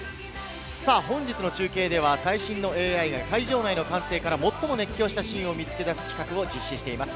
本日の中継では最新のＡＩが会場内の歓声から最も熱狂したシーンを見つけ出す企画を実施しています。